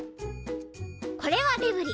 これはデブリ。